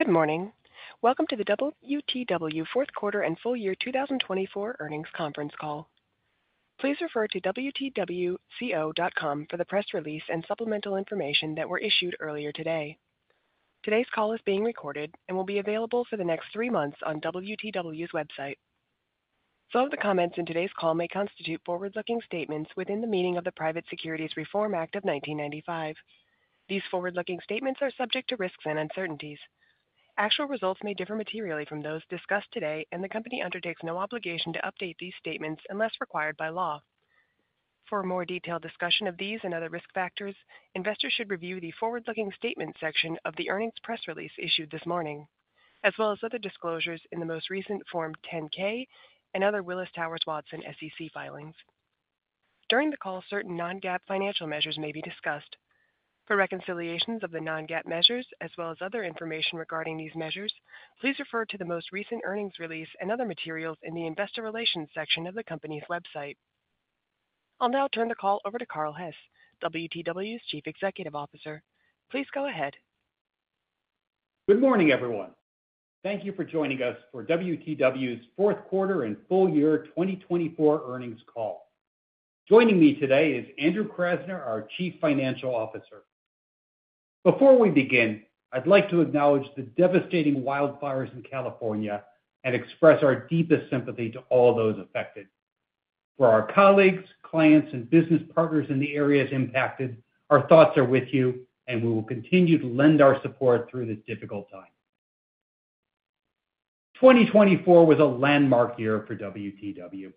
Good morning. Welcome to the WTW Fourth Quarter and Full Year 2024 Earnings Conference Call. Please refer to wtwco.com for the press release and supplemental information that were issued earlier today. Today's call is being recorded and will be available for the next three months on WTW's website. Some of the comments in today's call may constitute forward-looking statements within the meaning of the Private Securities Reform Act of 1995. These forward-looking statements are subject to risks and uncertainties. Actual results may differ materially from those discussed today, and the company undertakes no obligation to update these statements unless required by law. For more detailed discussion of these and other risk factors, investors should review the forward-looking statement section of the earnings press release issued this morning, as well as other disclosures in the most recent Form 10-K and other Willis Towers Watson SEC filings. During the call, certain non-GAAP financial measures may be discussed. For reconciliations of the non-GAAP measures, as well as other information regarding these measures, please refer to the most recent earnings release and other materials in the investor relations section of the company's website. I'll now turn the call over to Carl Hess, WTW's Chief Executive Officer. Please go ahead. Good morning, everyone. Thank you for joining us for WTW's Fourth Quarter and Full Year 2024 Earnings Call. Joining me today is Andrew Krasner, our Chief Financial Officer. Before we begin, I'd like to acknowledge the devastating wildfires in California and express our deepest sympathy to all those affected. For our colleagues, clients, and business partners in the areas impacted, our thoughts are with you, and we will continue to lend our support through this difficult time. 2024 was a landmark year for WTW.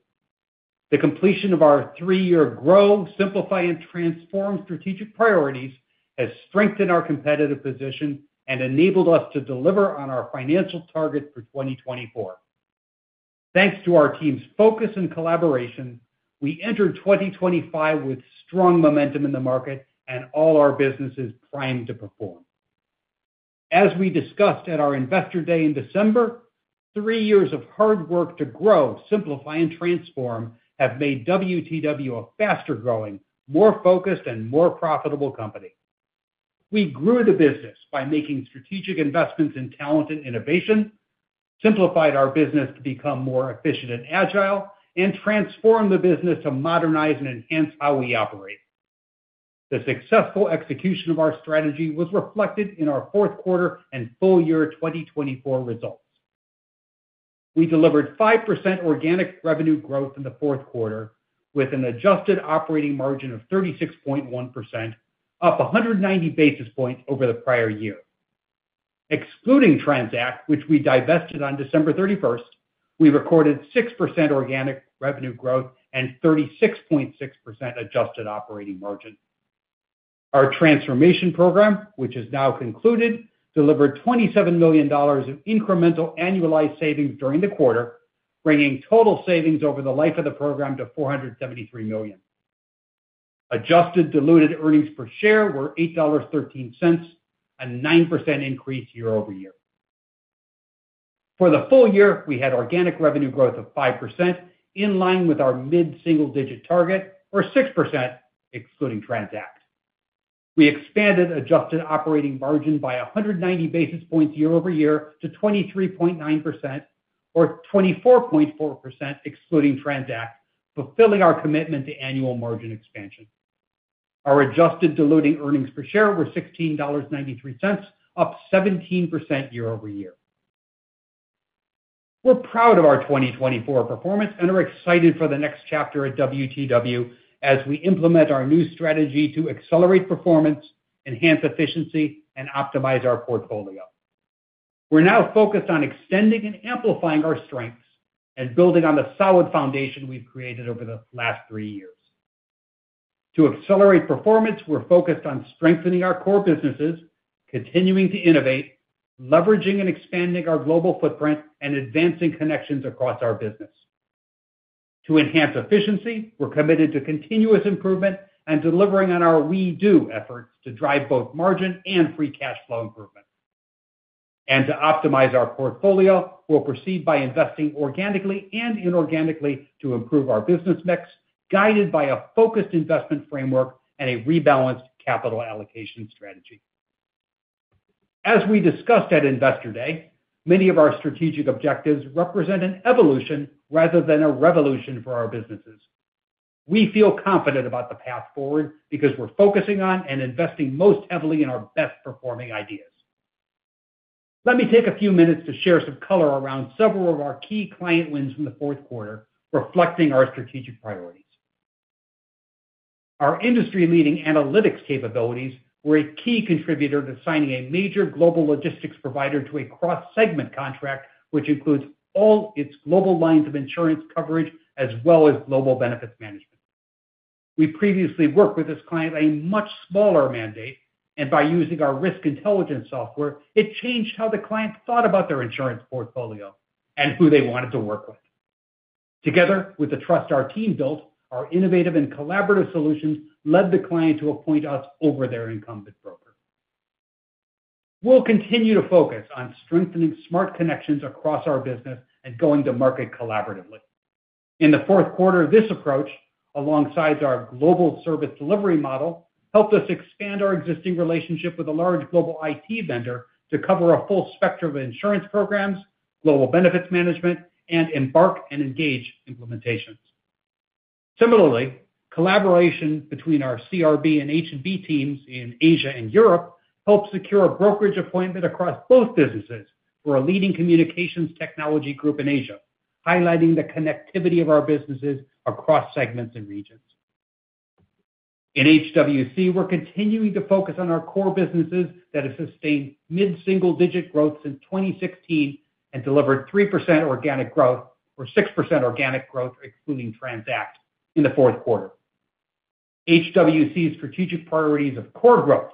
The completion of our three-year Grow, Simplify, and Transform strategic priorities has strengthened our competitive position and enabled us to deliver on our financial targets for 2024. Thanks to our team's focus and collaboration, we entered 2025 with strong momentum in the market and all our businesses primed to perform. As we discussed at our Investor Day in December, three years of hard work to Grow, Simplify, and Transform have made WTW a faster-growing, more focused, and more profitable company. We grew the business by making strategic investments in talent and innovation, simplified our business to become more efficient and agile, and transformed the business to modernize and enhance how we operate. The successful execution of our strategy was reflected in our Fourth Quarter and Full Year 2024 results. We delivered 5% organic revenue growth in the Fourth Quarter, with an adjusted operating margin of 36.1%, up 190 basis points over the prior year. Excluding Tranzact, which we divested on December 31st, we recorded 6% organic revenue growth and 36.6% adjusted operating margin. Our Transformation Program, which is now concluded, delivered $27 million of incremental annualized savings during the quarter, bringing total savings over the life of the program to $473 million. Adjusted diluted earnings per share were $8.13, a 9% increase year-over-year. For the full year, we had organic revenue growth of 5%, in line with our mid-single-digit target, or 6%, excluding Tranzact. We expanded adjusted operating margin by 190 basis points year-over-year to 23.9%, or 24.4%, excluding Tranzact, fulfilling our commitment to annual margin expansion. Our adjusted diluted earnings per share were $16.93, up 17% year-over-year. We're proud of our 2024 performance and are excited for the next chapter at WTW as we implement our new strategy to accelerate performance, enhance efficiency, and optimize our portfolio. We're now focused on extending and amplifying our strengths and building on the solid foundation we've created over the last three years. To accelerate performance, we're focused on strengthening our core businesses, continuing to innovate, leveraging and expanding our global footprint, and advancing connections across our business. To enhance efficiency, we're committed to continuous improvement and delivering on our GDO efforts to drive both margin and free cash flow improvement. To optimize our portfolio, we'll proceed by investing organically and inorganically to improve our business mix, guided by a focused investment framework and a rebalanced capital allocation strategy. As we discussed at Investor Day, many of our strategic objectives represent an evolution rather than a revolution for our businesses. We feel confident about the path forward because we're focusing on and investing most heavily in our best-performing ideas. Let me take a few minutes to share some color around several of our key client wins from the fourth quarter, reflecting our strategic priorities. Our industry-leading analytics capabilities were a key contributor to signing a major global logistics provider to a cross-segment contract, which includes all its global lines of insurance coverage as well as Global Benefits Management. We previously worked with this client on a much smaller mandate, and by using our Risk Intelligence software, it changed how the client thought about their insurance portfolio and who they wanted to work with. Together with the trust our team built, our innovative and collaborative solutions led the client to appoint us over their incumbent broker. We'll continue to focus on strengthening smart connections across our business and going to market collaboratively. In the Fourth Quarter, this approach, alongside our global service delivery model, helped us expand our existing relationship with a large global IT vendor to cover a full spectrum of insurance programs, Global Benefits Management, and Embark and Engage implementations. Similarly, collaboration between our CRB and HWC teams in Asia and Europe helped secure a brokerage appointment across both businesses for a leading communications technology group in Asia, highlighting the connectivity of our businesses across segments and regions. In HWC, we're continuing to focus on our core businesses that have sustained mid-single-digit growth since 2016 and delivered 3% organic growth or 6% organic growth, excluding Tranzact, in the Fourth Quarter. HWC's strategic priorities of core growth,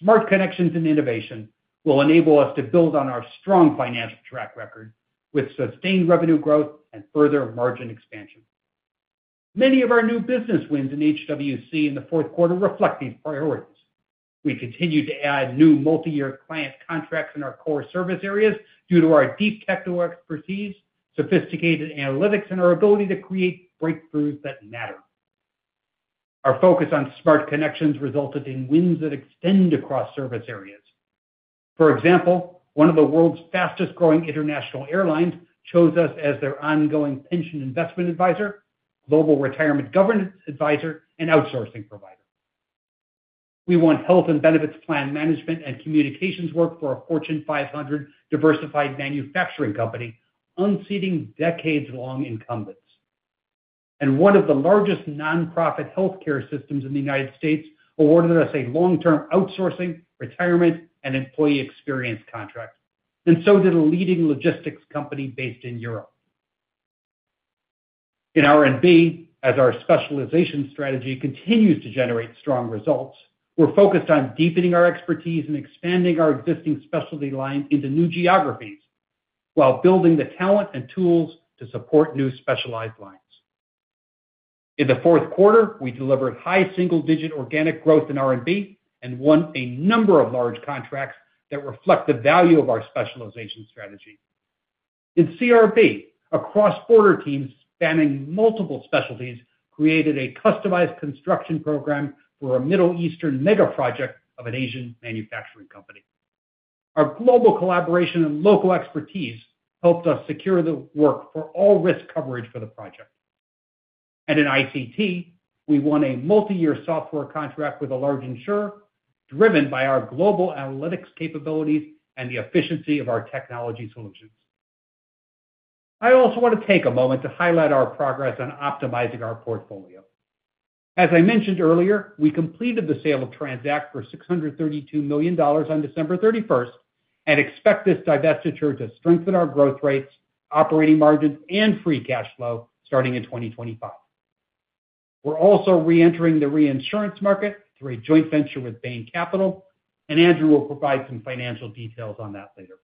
smart connections, and innovation will enable us to build on our strong financial track record with sustained revenue growth and further margin expansion. Many of our new business wins in HWC in the Fourth Quarter reflect these priorities. We continue to add new multi-year client contracts in our core service areas due to our deep technical expertise, sophisticated analytics, and our ability to create breakthroughs that matter. Our focus on smart connections resulted in wins that extend across service areas. For example, one of the world's fastest-growing international airlines chose us as their ongoing pension investment advisor, global retirement governance advisor, and outsourcing provider. We won Health and benefits plan management and communications work for a Fortune 500 diversified manufacturing company, unseating decades-long incumbents, and one of the largest nonprofit healthcare systems in the United States awarded us a long-term outsourcing, retirement, and employee experience contract, and so did a leading logistics company based in Europe. In R&B, as our specialization strategy continues to generate strong results, we're focused on deepening our expertise and expanding our existing specialty lines into new geographies while building the talent and tools to support new specialized lines. In the fourth quarter, we delivered high single-digit organic growth in R&B and won a number of large contracts that reflect the value of our specialization strategy. In CRB, a cross-border team spanning multiple specialties created a customized Construction program for a Middle Eastern mega project of an Asian manufacturing company. Our global collaboration and local expertise helped us secure the work for all risk coverage for the project, and in ICT, we won a multi-year software contract with a large insurer, driven by our global analytics capabilities and the efficiency of our technology solutions. I also want to take a moment to highlight our progress on optimizing our portfolio. As I mentioned earlier, we completed the sale of Tranzact for $632 million on December 31st and expect this divestiture to strengthen our growth rates, operating margins, and free cash flow starting in 2025. We're also re-entering the reinsurance market through a joint venture with Bain Capital, and Andrew will provide some financial details on that later,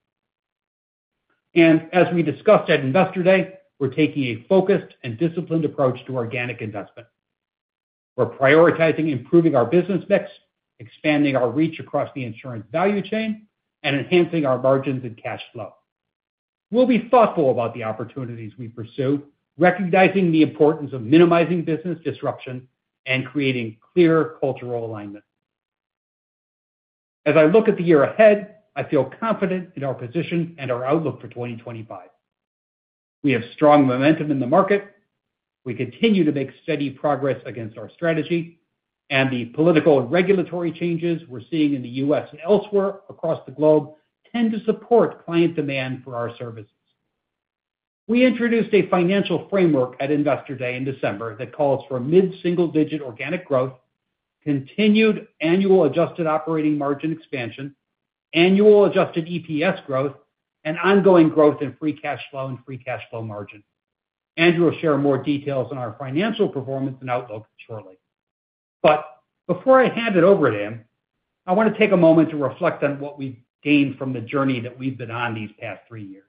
and as we discussed at Investor Day, we're taking a focused and disciplined approach to organic investment. We're prioritizing improving our business mix, expanding our reach across the insurance value chain, and enhancing our margins and cash flow. We'll be thoughtful about the opportunities we pursue, recognizing the importance of minimizing business disruption and creating clear cultural alignment. As I look at the year ahead, I feel confident in our position and our outlook for 2025. We have strong momentum in the market. We continue to make steady progress against our strategy, and the political and regulatory changes we're seeing in the U.S. and elsewhere across the globe tend to support client demand for our services. We introduced a financial framework at Investor Day in December that calls for mid-single-digit organic growth, continued annual adjusted operating margin expansion, annual adjusted EPS growth, and ongoing growth in free cash flow and free cash flow margin. Andrew will share more details on our financial performance and outlook shortly, but before I hand it over to him, I want to take a moment to reflect on what we've gained from the journey that we've been on these past three years.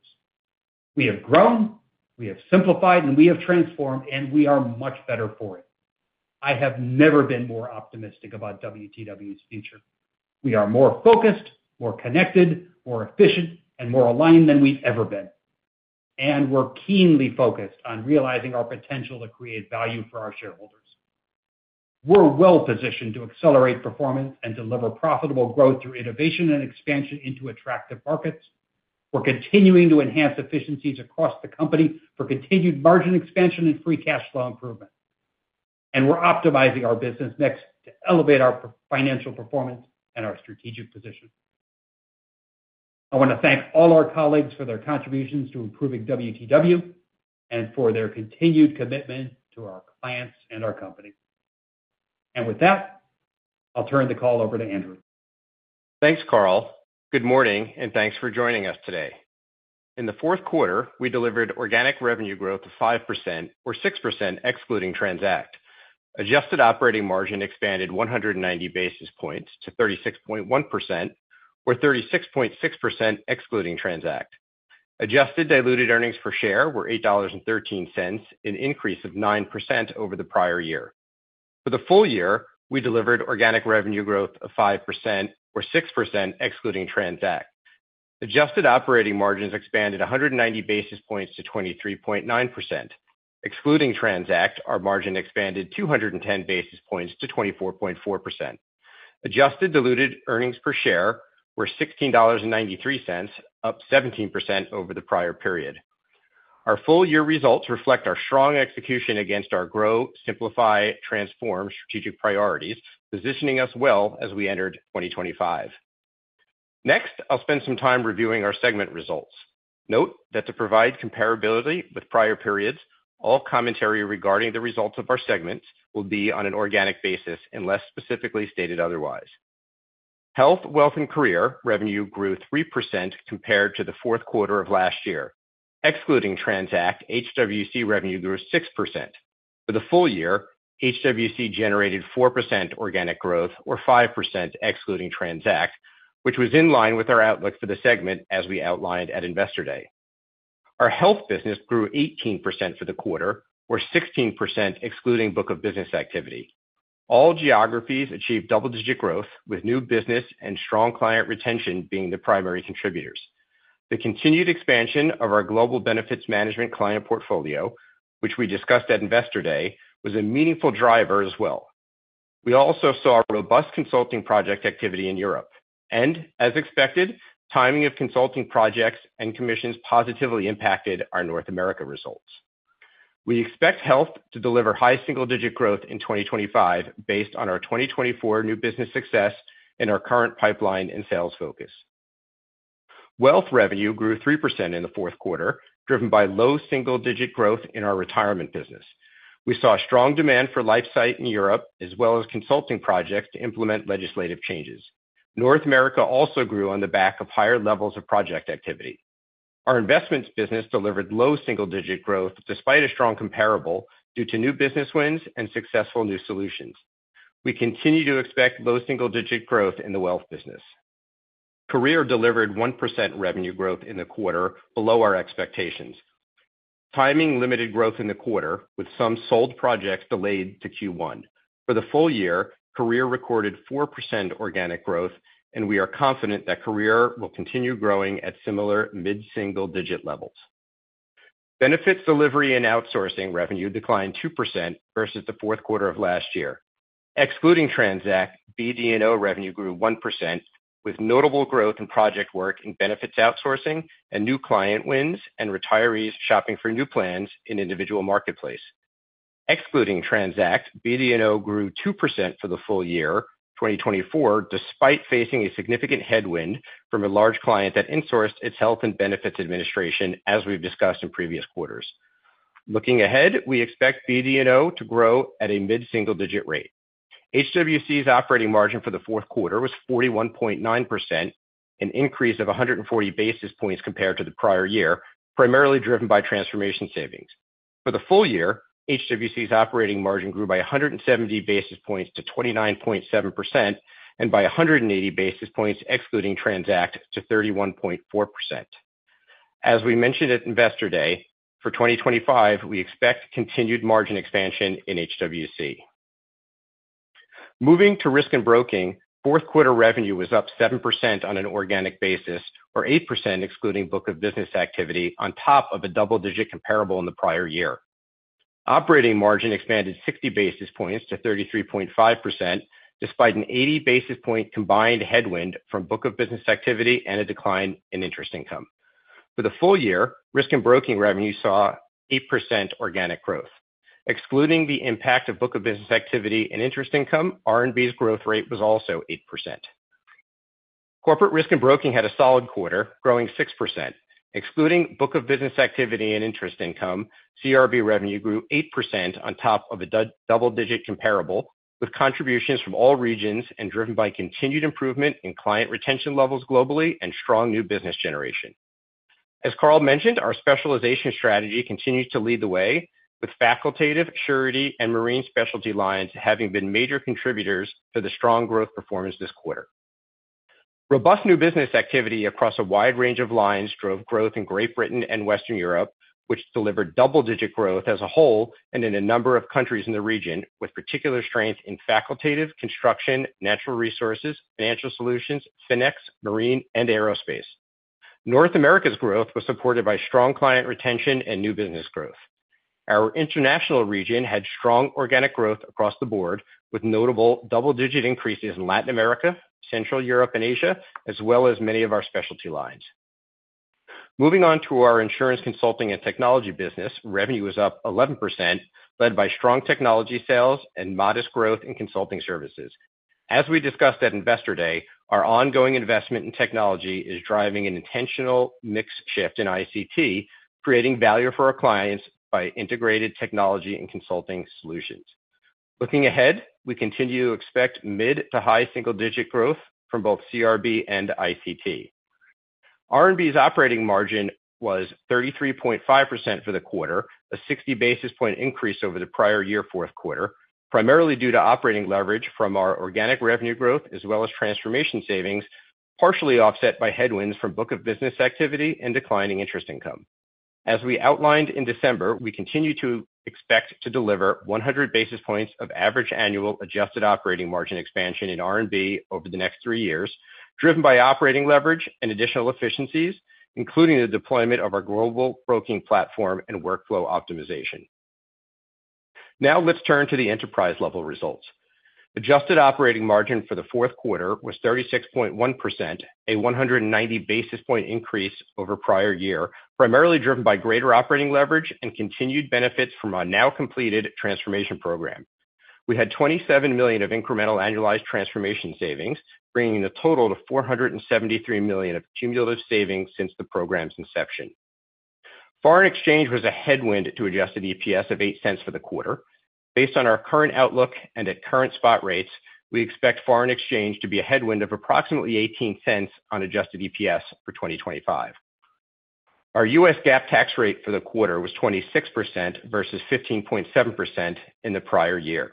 We have grown, we have simplified, and we have transformed, and we are much better for it. I have never been more optimistic about WTW's future. We are more focused, more connected, more efficient, and more aligned than we've ever been. We're keenly focused on realizing our potential to create value for our shareholders. We're well-positioned to accelerate performance and deliver profitable growth through innovation and expansion into attractive markets. We're continuing to enhance efficiencies across the company for continued margin expansion and free cash flow improvement. We're optimizing our business mix to elevate our financial performance and our strategic position. I want to thank all our colleagues for their contributions to improving WTW and for their continued commitment to our clients and our company. With that, I'll turn the call over to Andrew. Thanks, Carl. Good morning, and thanks for joining us today. In the fourth quarter, we delivered organic revenue growth of 5%, or 6%, excluding Tranzact. Adjusted operating margin expanded 190 basis points to 36.1%, or 36.6%, excluding Tranzact. Adjusted diluted earnings per share were $8.13, an increase of 9% over the prior year. For the full year, we delivered organic revenue growth of 5%, or 6%, excluding Tranzact. Adjusted operating margins expanded 190 basis points to 23.9%. Excluding Tranzact, our margin expanded 210 basis points to 24.4%. Adjusted diluted earnings per share were $16.93, up 17% over the prior period. Our full-year results reflect our strong execution against our Grow, Simplify, Transform strategic priorities, positioning us well as we entered 2025. Next, I'll spend some time reviewing our segment results. Note that to provide comparability with prior periods, all commentary regarding the results of our segments will be on an organic basis unless specifically stated otherwise. Health, Wealth, and Career revenue grew 3% compared to the Fourth Quarter of last year. Excluding Tranzact, HWC revenue grew 6%. For the full year, HWC generated 4% organic growth, or 5%, excluding Tranzact, which was in line with our outlook for the segment as we outlined at Investor Day. Our health business grew 18% for the quarter, or 16%, excluding book of business activity. All geographies achieved double-digit growth, with new business and strong client retention being the primary contributors. The continued expansion of our Global Benefits Management client portfolio, which we discussed at Investor Day, was a meaningful driver as well. We also saw robust consulting project activity in Europe. As expected, timing of consulting projects and commissions positively impacted our North America results. We expect Health to deliver high single-digit growth in 2025 based on our 2024 new business success and our current pipeline and sales focus. Wealth revenue grew 3% in the fourth quarter, driven by low single-digit growth in our retirement business. We saw strong demand for LifeSight in Europe, as well as consulting projects to implement legislative changes. North America also grew on the back of higher levels of project activity. Our investments business delivered low single-digit growth despite a strong comparable due to new business wins and successful new solutions. We continue to expect low single-digit growth in the Wealth business. Career delivered 1% revenue growth in the quarter below our expectations. Timing limited growth in the quarter, with some sold projects delayed to Q1. For the full year, Career recorded 4% organic growth, and we are confident that Career will continue growing at similar mid-single-digit levels. Benefits Delivery and Outsourcing revenue declined 2% versus the Fourth Quarter of last year. Excluding Tranzact, BD&O revenue grew 1%, with notable growth in project work in benefits outsourcing and new client wins and retirees shopping for new plans in Individual Marketplace. Excluding Tranzact, BD&O grew 2% for the full year, 2024, despite facing a significant headwind from a large client that insourced its health and benefits administration, as we've discussed in previous quarters. Looking ahead, we expect BD&O to grow at a mid-single-digit rate. HWC's operating margin for the Fourth Quarter was 41.9%, an increase of 140 basis points compared to the prior year, primarily driven by transformation savings. For the full year, HWC's operating margin grew by 170 basis points to 29.7% and by 180 basis points, excluding Tranzact, to 31.4%. As we mentioned at Investor Day, for 2025, we expect continued margin expansion in HWC. Moving to Risk and Broking, fourth quarter revenue was up 7% on an organic basis, or 8%, excluding book of business activity, on top of a double-digit comparable in the prior year. Operating margin expanded 60 basis points to 33.5%, despite an 80 basis point combined headwind from book of business activity and a decline in interest income. For the full year, Risk and Broking revenue saw 8% organic growth. Excluding the impact of book of business activity and interest income, R&B's growth rate was also 8%. Corporate Risk and Broking had a solid quarter, growing 6%. Excluding book of business activity and interest income, CRB revenue grew 8% on top of a double-digit comparable, with contributions from all regions and driven by continued improvement in client retention levels globally and strong new business generation. As Carl mentioned, our specialization strategy continues to lead the way, with Facultative, surety, and Marine specialty lines having been major contributors to the strong growth performance this quarter. Robust new business activity across a wide range of lines drove growth in Great Britain and Western Europe, which delivered double-digit growth as a whole and in a number of countries in the region, with particular strength in Facultative, Construction, Natural Resources, Financial Solutions, finance, Marine, and Aerospace. North America's growth was supported by strong client retention and new business growth. Our international region had strong organic growth across the board, with notable double-digit increases in Latin America, Central Europe, and Asia, as well as many of our specialty lines. Moving on to our insurance consulting and technology business, revenue was up 11%, led by strong technology sales and modest growth in consulting services. As we discussed at Investor Day, our ongoing investment in technology is driving an intentional mix shift in ICT, creating value for our clients by integrated technology and consulting solutions. Looking ahead, we continue to expect mid to high single-digit growth from both CRB and ICT. R&B's operating margin was 33.5% for the quarter, a 60 basis points increase over the prior year fourth quarter, primarily due to operating leverage from our organic revenue growth, as well as transformation savings, partially offset by headwinds from book of business activity and declining interest income. As we outlined in December, we continue to expect to deliver 100 basis points of average annual adjusted operating margin expansion in R&B over the next three years, driven by operating leverage and additional efficiencies, including the deployment of our global broking platform and workflow optimization. Now let's turn to the enterprise-level results. Adjusted operating margin for the Fourth Quarter was 36.1%, a 190 basis point increase over prior year, primarily driven by greater operating leverage and continued benefits from our now-completed transformation program. We had $27 million of incremental annualized transformation savings, bringing a total of $473 million of cumulative savings since the program's inception. Foreign exchange was a headwind to adjusted EPS of $0.08 for the quarter. Based on our current outlook and at current spot rates, we expect foreign exchange to be a headwind of approximately $0.18 on adjusted EPS for 2025. Our U.S. GAAP tax rate for the quarter was 26% versus 15.7% in the prior year.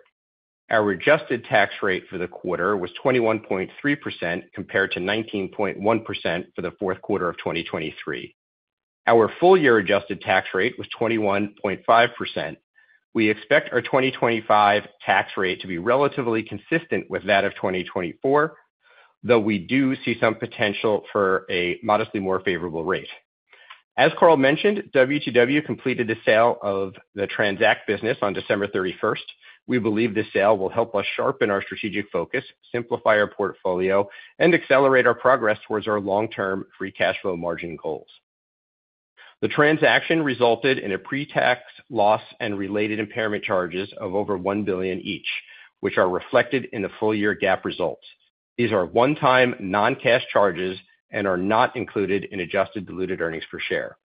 Our adjusted tax rate for the quarter was 21.3% compared to 19.1% for the Fourth Quarter of 2023. Our full-year adjusted tax rate was 21.5%. We expect our 2025 tax rate to be relatively consistent with that of 2024, though we do see some potential for a modestly more favorable rate. As Carl mentioned, WTW completed the sale of the Tranzact business on December 31st. We believe this sale will help us sharpen our strategic focus, simplify our portfolio, and accelerate our progress towards our long-term free cash flow margin goals. The transaction resulted in a pre-tax loss and related impairment charges of over $1 billion each, which are reflected in the full-year GAAP results. These are one-time non-cash charges and are not included in adjusted diluted earnings per share.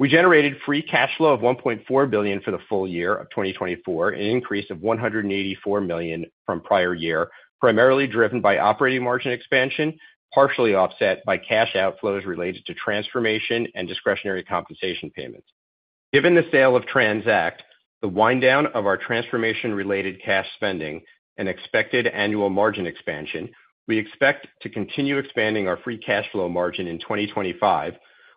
We generated Free Cash Flow of $1.4 billion for the full year of 2024, an increase of $184 million from prior year, primarily driven by operating margin expansion, partially offset by cash outflows related to transformation and discretionary compensation payments. Given the sale of Tranzact, the wind down of our transformation-related cash spending, and expected annual margin expansion, we expect to continue expanding our free cash flow margin in 2025,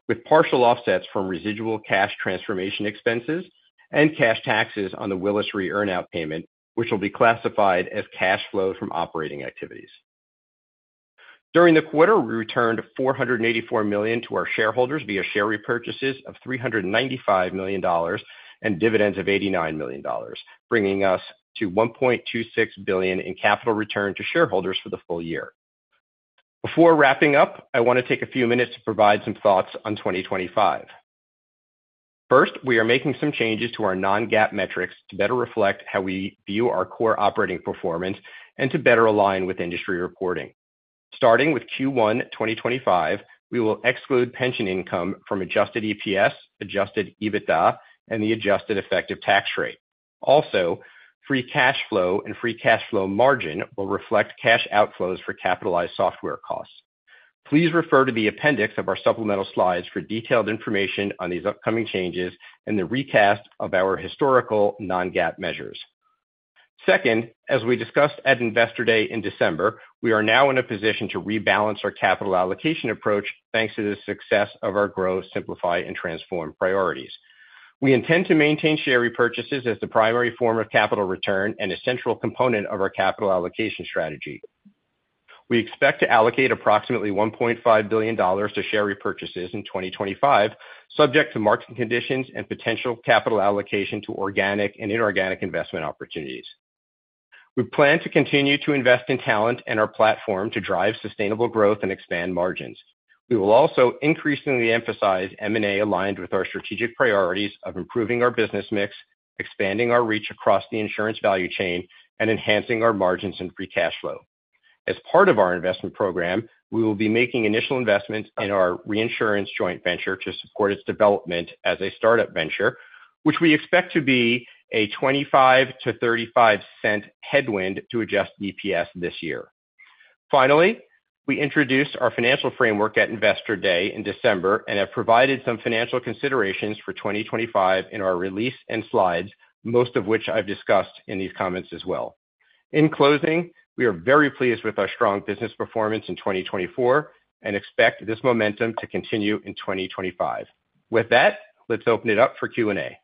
with partial offsets from residual cash transformation expenses and cash taxes on the Willis Re earnout payment, which will be classified as cash flow from operating activities. During the quarter, we returned $484 million to our shareholders via share repurchases of $395 million and dividends of $89 million, bringing us to $1.26 billion in capital return to shareholders for the full year. Before wrapping up, I want to take a few minutes to provide some thoughts on 2025. First, we are making some changes to our non-GAAP metrics to better reflect how we view our core operating performance and to better align with industry reporting. Starting with Q1 2025, we will exclude pension income from adjusted EPS, adjusted EBITDA, and the adjusted effective tax rate. Also, free cash flow and free cash flow margin will reflect cash outflows for capitalized software costs. Please refer to the appendix of our supplemental slides for detailed information on these upcoming changes and the recast of our historical non-GAAP measures. Second, as we discussed at Investor Day in December, we are now in a position to rebalance our capital allocation approach thanks to the success of our Grow, Simplify, and Transform priorities. We intend to maintain share repurchases as the primary form of capital return and a central component of our capital allocation strategy. We expect to allocate approximately $1.5 billion to share repurchases in 2025, subject to market conditions and potential capital allocation to organic and inorganic investment opportunities. We plan to continue to invest in talent and our platform to drive sustainable growth and expand margins. We will also increasingly emphasize M&A aligned with our strategic priorities of improving our business mix, expanding our reach across the insurance value chain, and enhancing our margins and free cash flow. As part of our investment program, we will be making initial investments in our reinsurance joint venture to support its development as a startup venture, which we expect to be a $0.25-$0.35 headwind to adjusted EPS this year. Finally, we introduced our financial framework at Investor Day in December and have provided some financial considerations for 2025 in our release and slides, most of which I've discussed in these comments as well. In closing, we are very pleased with our strong business performance in 2024 and expect this momentum to continue in 2025. With that, let's open it up for Q&A.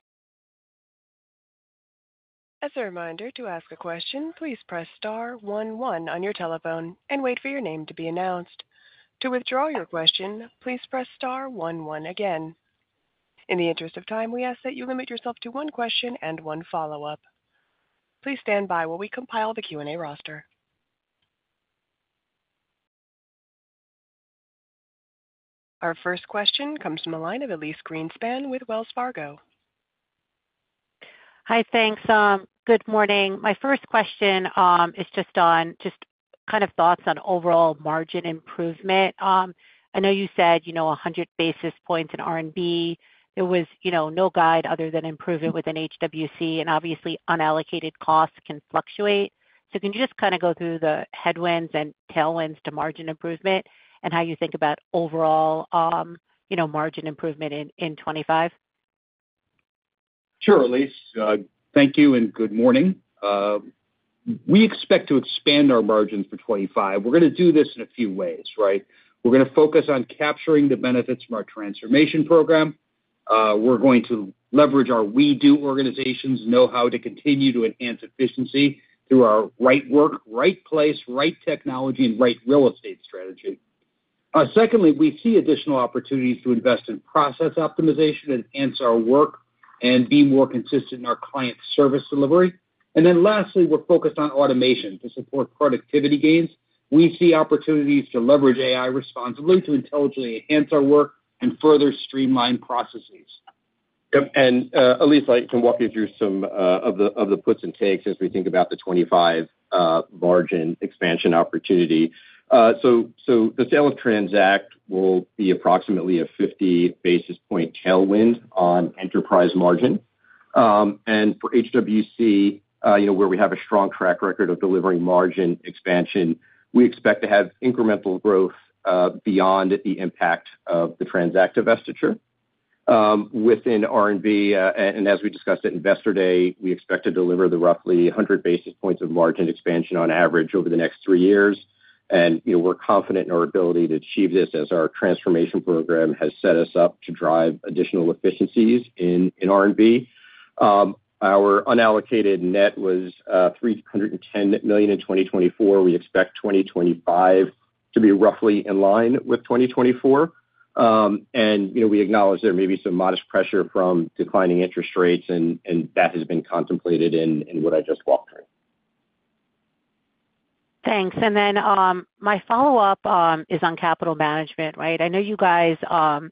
As a reminder, to ask a question, please press star 11 on your telephone and wait for your name to be announced. To withdraw your question, please press star 11 again. In the interest of time, we ask that you limit yourself to one question and one follow-up. Please stand by while we compile the Q&A roster. Our first question comes from Elyse Greenspan with Wells Fargo. Hi, thanks. Good morning. My first question is just on kind of thoughts on overall margin improvement. I know you said, you know, 100 basis points in R&B. There was, you know, no guide other than improvement within HWC, and obviously unallocated costs can fluctuate. So can you just kind of go through the headwinds and tailwinds to margin improvement and how you think about overall, you know, margin improvement in 2025? Sure, Elyse. Thank you and good morning. We expect to expand our margins for 2025. We're going to do this in a few ways, right? We're going to focus on capturing the benefits from our transformation program. We're going to leverage our We Do organization and know-how to continue to enhance efficiency through our right work, right place, right technology, and right real estate strategy. Secondly, we see additional opportunities to invest in process optimization and enhance our work and be more consistent in our client service delivery. Then lastly, we're focused on automation to support productivity gains. We see opportunities to leverage AI responsibly to intelligently enhance our work and further streamline processes. Yep. Elyse, I can walk you through some of the puts and takes as we think about the '25 margin expansion opportunity. The sale of Tranzact will be approximately a 50 basis point tailwind on enterprise margin. For HWC, you know, where we have a strong track record of delivering margin expansion, we expect to have incremental growth beyond the impact of the Tranzact divestiture. Within R&B, as we discussed at Investor Day, we expect to deliver roughly 100 basis points of margin expansion on average over the next three years. You know, we're confident in our ability to achieve this as our transformation program has set us up to drive additional efficiencies in R&B. Our unallocated net was $310 million in 2024. We expect 2025 to be roughly in line with 2024. And, you know, we acknowledge there may be some modest pressure from declining interest rates, and that has been contemplated in what I just walked through. Thanks. And then my follow-up is on capital management, right? I know you guys,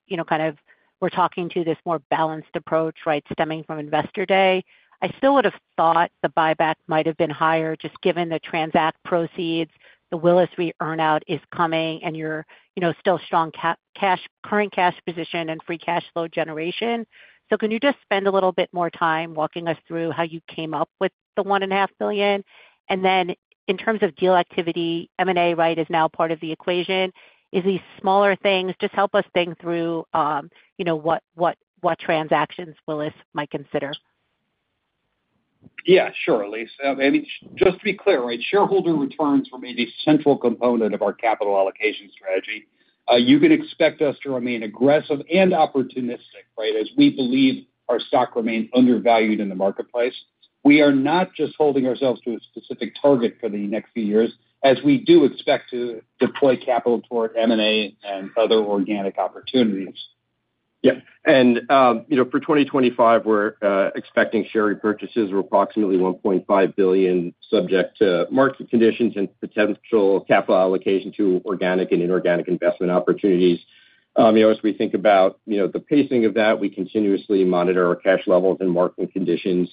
you know, kind of were talking to this more balanced approach, right, stemming from Investor Day. I still would have thought the buyback might have been higher just given the Tranzact proceeds. The Willis Re earnout is coming, and you're, you know, still strong cash, current cash position and free cash flow generation. So can you just spend a little bit more time walking us through how you came up with the $1.5 million? And then in terms of deal activity, M&A, right, is now part of the equation. Do these smaller things just help us think through, you know, what transactions Willis might consider? Yeah, sure, Elyse. I mean, just to be clear, right, shareholder returns remain a central component of our capital allocation strategy. You can expect us to remain aggressive and opportunistic, right, as we believe our stock remains undervalued in the marketplace. We are not just holding ourselves to a specific target for the next few years, as we do expect to deploy capital toward M&A and other organic opportunities. Yeah. And, you know, for 2025, we're expecting share repurchases of approximately $1.5 billion, subject to market conditions and potential capital allocation to organic and inorganic investment opportunities. You know, as we think about, you know, the pacing of that, we continuously monitor our cash levels and market conditions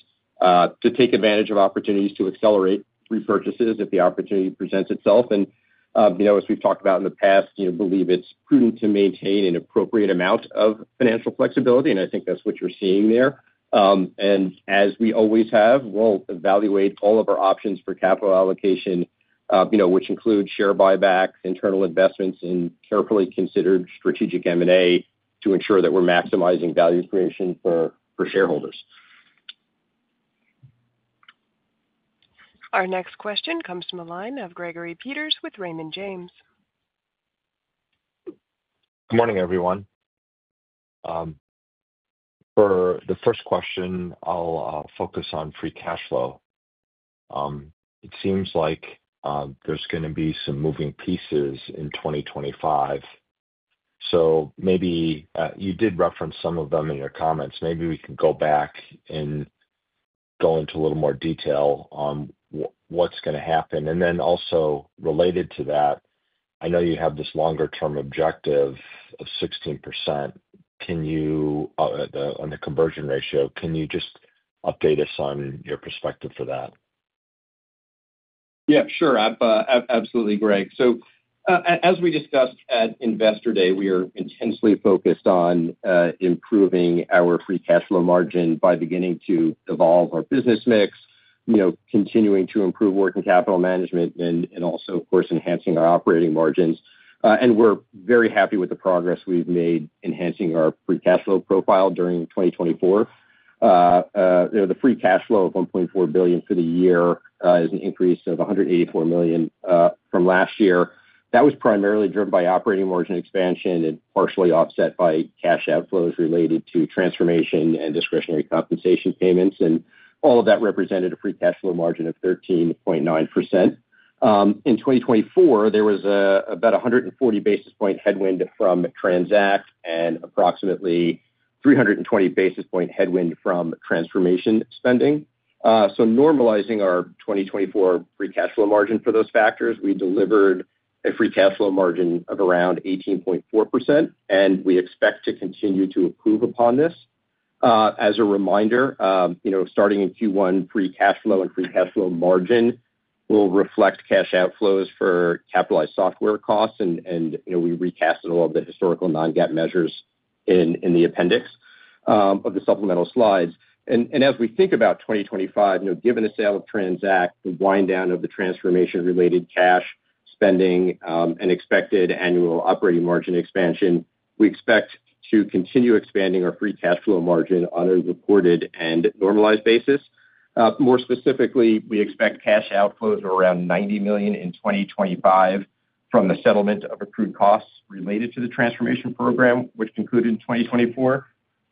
to take advantage of opportunities to accelerate repurchases if the opportunity presents itself. And, you know, as we've talked about in the past, you know, believe it's prudent to maintain an appropriate amount of financial flexibility, and I think that's what you're seeing there. And as we always have, we'll evaluate all of our options for capital allocation, you know, which include share buybacks, internal investments, and carefully considered strategic M&A to ensure that we're maximizing value creation for shareholders. Our next question comes from a line of Gregory Peters with Raymond James. Good morning, everyone. For the first question, I'll focus on free cash flow. It seems like there's going to be some moving pieces in 2025. So maybe you did reference some of them in your comments. Maybe we can go back and go into a little more detail on what's going to happen. And then also related to that, I know you have this longer-term objective of 16%. Can you, on the conversion ratio, can you just update us on your perspective for that? Yeah, sure. Absolutely, Greg, so as we discussed at Investor Day, we are intensely focused on improving our free cash flow margin by beginning to evolve our business mix, you know, continuing to improve working capital management and also, of course, enhancing our operating margins, and we're very happy with the progress we've made enhancing our free cash flow profile during 2024. You know, the free cash flow of $1.4 billion for the year is an increase of $184 million from last year. That was primarily driven by operating margin expansion and partially offset by cash outflows related to transformation and discretionary compensation payments, and all of that represented a free cash flow margin of 13.9%. In 2024, there was about 140 basis points headwind from Tranzact and approximately 320 basis points headwind from transformation spending, so normalizing our 2024 free cash flow margin for those factors, we delivered a free cash flow margin of around 18.4%, and we expect to continue to improve upon this. As a reminder, you know, starting in Q1, free cash flow and free cash flow margin will reflect cash outflows for capitalized software costs, and, you know, we recasted all of the historical non-GAAP measures in the appendix of the supplemental slides, and as we think about 2025, you know, given the sale of Tranzact, the wind down of the transformation-related cash spending, and expected annual operating margin expansion, we expect to continue expanding our free cash flow margin on a reported and normalized basis. More specifically, we expect cash outflows of around $90 million in 2025 from the settlement of accrued costs related to the transformation program, which concluded in 2024.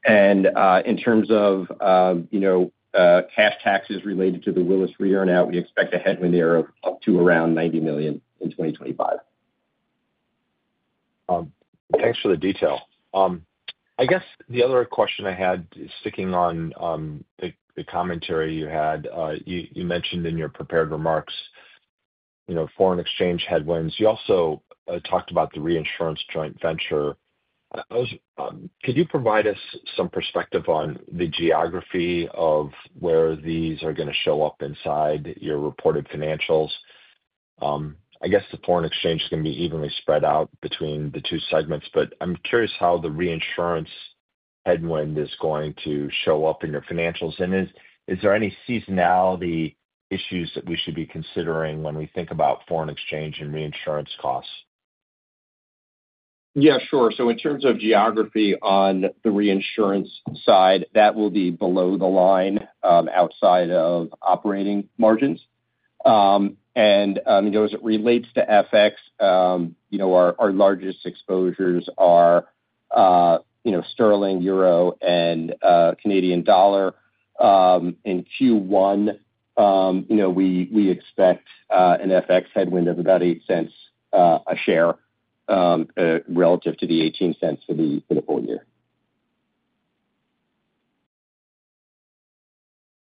And in terms of, you know, cash taxes related to the Willis Re earnout, we expect a headwind there of up to around $90 million in 2025. Thanks for the detail. I guess the other question I had is sticking on the commentary you had. You mentioned in your prepared remarks, you know, foreign exchange headwinds. You also talked about the reinsurance joint venture. Could you provide us some perspective on the geography of where these are going to show up inside your reported financials? I guess the foreign exchange is going to be evenly spread out between the two segments, but I'm curious how the reinsurance headwind is going to show up in your financials. Is there any seasonality issues that we should be considering when we think about foreign exchange and reinsurance costs? Yeah, sure. So in terms of geography on the reinsurance side, that will be below the line outside of operating margins. And, you know, as it relates to FX, you know, our largest exposures are, you know, sterling, euro, and Canadian dollar. In Q1, you know, we expect an FX headwind of about $0.08 a share relative to the $0.18 for the full year.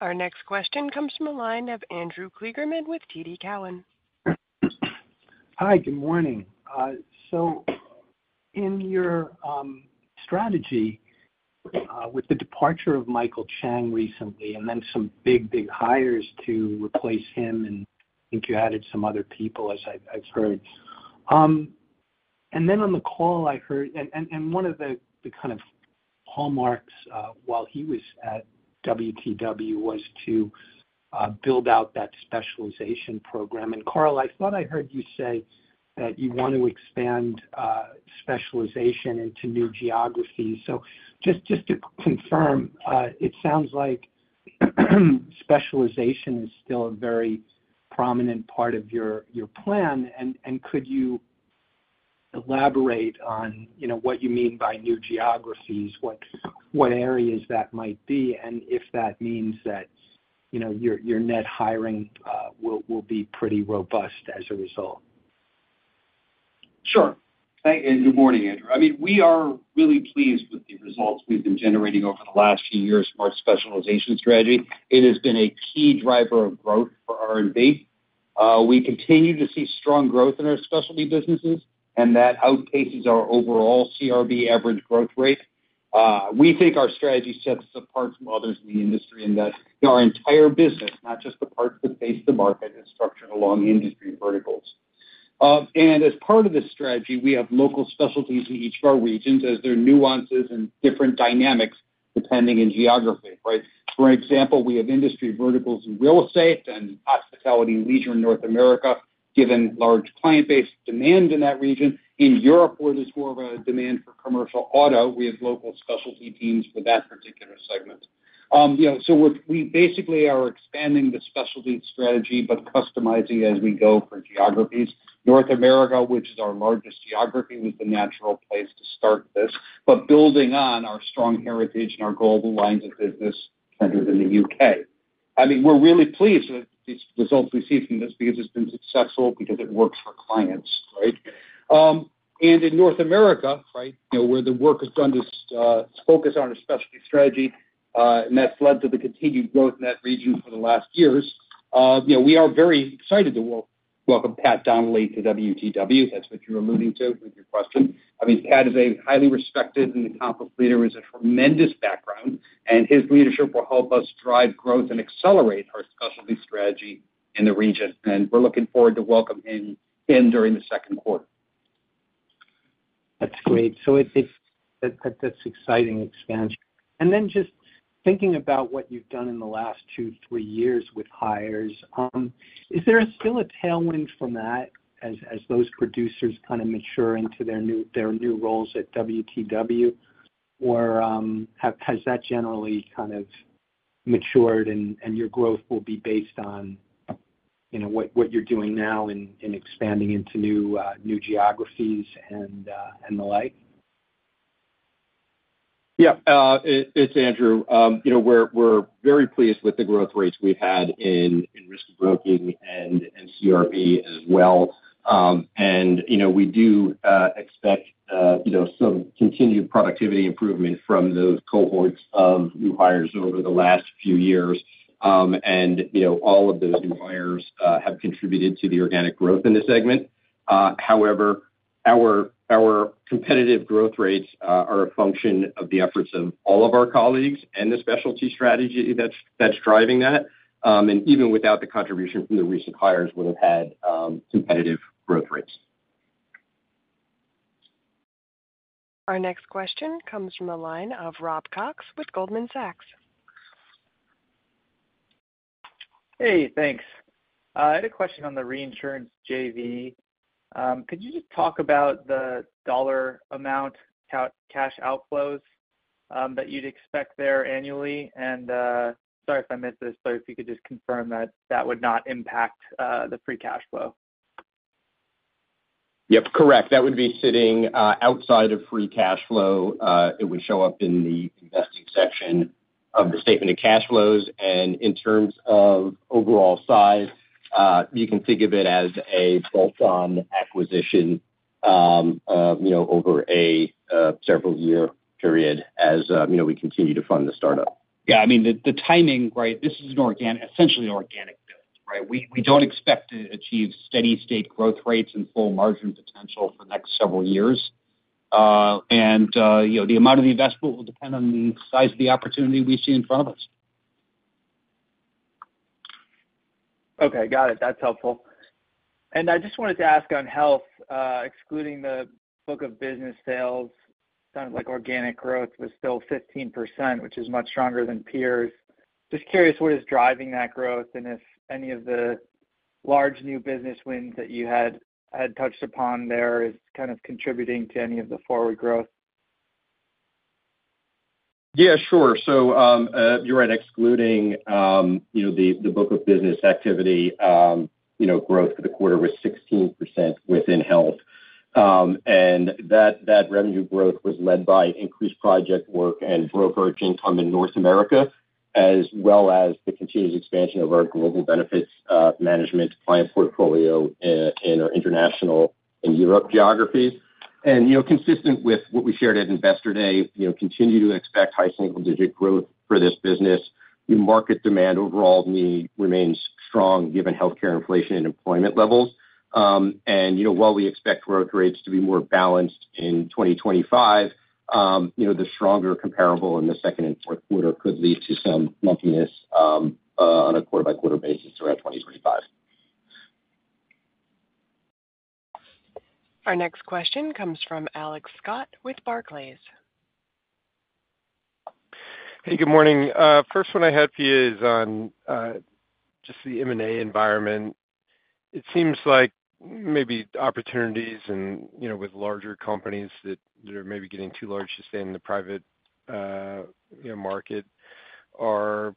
Our next question comes from a line of Andrew Kligerman with TD Cowen. Hi, good morning. So in your strategy with the departure of Michael Chang recently and then some big, big hires to replace him, and I think you added some other people, as I've heard. Then on the call, I heard, and one of the kind of hallmarks while he was at WTW was to build out that specialization program. Carl, I thought I heard you say that you want to expand specialization into new geographies. Just to confirm, it sounds like specialization is still a very prominent part of your plan. Could you elaborate on, you know, what you mean by new geographies, what areas that might be, and if that means that, you know, your net hiring will be pretty robust as a result? Sure. Thank you. Good morning, Andrew. I mean, we are really pleased with the results we've been generating over the last few years from our specialization strategy. It has been a key driver of growth for R&B. We continue to see strong growth in our specialty businesses, and that outpaces our overall CRB average growth rate. We think our strategy sets us apart from others in the industry in that our entire business, not just the parts that face the market, is structured along industry verticals, and as part of this strategy, we have local specialties in each of our regions as there are nuances and different dynamics depending on geography, right? For example, we have industry verticals in real estate and hospitality and leisure in North America, given large client base demand in that region. In Europe, where there's more of a demand for commercial auto, we have local specialty teams for that particular segment. You know, so we basically are expanding the specialty strategy, but customizing it as we go for geographies. North America, which is our largest geography, was the natural place to start this, but building on our strong heritage and our global lines of business centered in the U.K. I mean, we're really pleased with these results we see from this because it's been successful, because it works for clients, right? And in North America, right, you know, where the work has done to focus on our specialty strategy, and that's led to the continued growth in that region for the last years, you know, we are very excited to welcome Pat Donnelly to WTW. That's what you're alluding to with your question. I mean, Pat is a highly respected and accomplished leader, has a tremendous background, and his leadership will help us drive growth and accelerate our specialty strategy in the region. And we're looking forward to welcoming him during the second quarter. That's great. So that's exciting expansion. And then just thinking about what you've done in the last two, three years with hires, is there still a tailwind from that as those producers kind of mature into their new roles at WTW, or has that generally kind of matured and your growth will be based on, you know, what you're doing now in expanding into new geographies and the like? Yeah, it's Andrew. You know, we're very pleased with the growth rates we've had in Risk and Broking and CRB as well. And, you know, we do expect, you know, some continued productivity improvement from those cohorts of new hires over the last few years. And, you know, all of those new hires have contributed to the organic growth in the segment. However, our competitive growth rates are a function of the efforts of all of our colleagues and the specialty strategy that's driving that. And even without the contribution from the recent hires, we would have had competitive growth rates. Our next question comes from a line of Rob Cox with Goldman Sachs. Hey, thanks. I had a question on the reinsurance JV. Could you just talk about the dollar amount cash outflows that you'd expect there annually? And sorry if I missed this, but if you could just confirm that that would not impact the Free Cash Flow. Yep, correct. That would be sitting outside of Free Cash Flow. It would show up in the investing section of the statement of cash flows. And in terms of overall size, you can think of it as a bolt-on acquisition, you know, over a several-year period as, you know, we continue to fund the startup. Yeah, I mean, the timing, right, this is an organic, essentially an organic build, right? We don't expect to achieve steady-state growth rates and full margin potential for the next several years. And, you know, the amount of the investment will depend on the size of the opportunity we see in front of us. Okay, got it. That's helpful. And I just wanted to ask on health, excluding the book of business sales, sounded like organic growth was still 15%, which is much stronger than peers. Just curious, what is driving that growth? And if any of the large new business wins that you had touched upon there is kind of contributing to any of the forward growth? Yeah, sure. So you're right, excluding, you know, the book of business activity, you know, growth for the quarter was 16% within health. And that revenue growth was led by increased project work and brokerage income in North America, as well as the continuous expansion of our Global Benefits Management client portfolio in our international and Europe geographies. And, you know, consistent with what we shared at Investor Day, you know, continue to expect high single-digit growth for this business. Market demand overall remains strong given healthcare inflation and employment levels. And, you know, while we expect growth rates to be more balanced in 2025, you know, the stronger comparable in the second and fourth quarter could lead to some lumpiness on a quarter-by-quarter basis throughout 2025. Our next question comes from Alex Scott with Barclays. Hey, good morning. First one I had for you is on just the M&A environment. It seems like maybe opportunities and, you know, with larger companies that are maybe getting too large to stay in the private, you know, market are,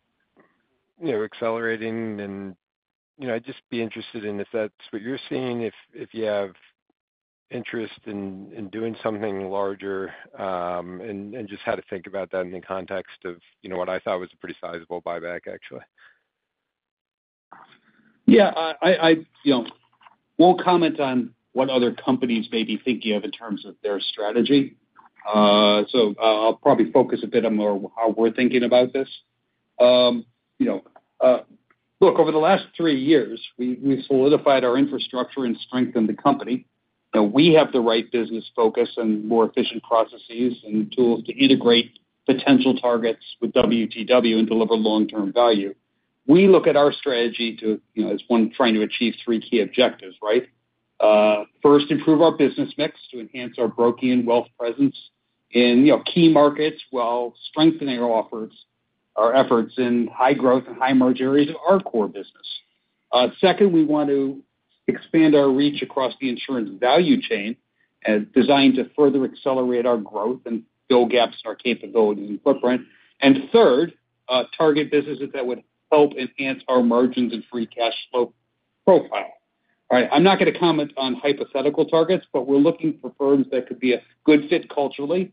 you know, accelerating, and, you know, I'd just be interested in if that's what you're seeing, if you have interest in doing something larger and just how to think about that in the context of, you know, what I thought was a pretty sizable buyback, actually. Yeah, I, you know, won't comment on what other companies may be thinking of in terms of their strategy, so I'll probably focus a bit on more how we're thinking about this. You know, look, over the last three years, we've solidified our infrastructure and strengthened the company. We have the right business focus and more efficient processes and tools to integrate potential targets with WTW and deliver long-term value. We look at our strategy to, you know, as we try to achieve three key objectives, right? First, improve our business mix to enhance our brokering and wealth presence in, you know, key markets while strengthening our efforts in high growth and high margin areas of our core business. Second, we want to expand our reach across the insurance value chain and design to further accelerate our growth and fill gaps in our capabilities and footprint. And third, target businesses that would help enhance our margins and free cash flow profile. All right, I'm not going to comment on hypothetical targets, but we're looking for firms that could be a good fit culturally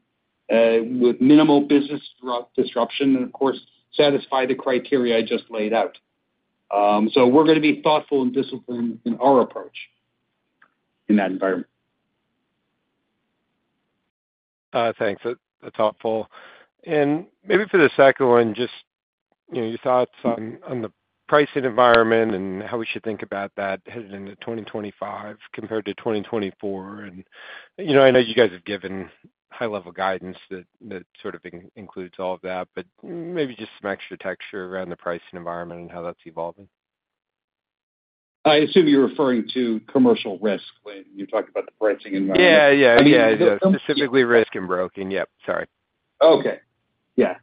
with minimal business disruption and, of course, satisfy the criteria I just laid out. So we're going to be thoughtful and disciplined in our approach in that environment. Thanks. That's helpful. And maybe for the second one, just, you know, your thoughts on the pricing environment and how we should think about that headed into 2025 compared to 2024. And, you know, I know you guys have given high-level guidance that sort of includes all of that, but maybe just some extra texture around the pricing environment and how that's evolving. I assume you're referring to commercial risk when you're talking about the pricing environment. Yeah, yeah, yeah. Specifically Risk and Broking. Yep, sorry. Okay. Yeah.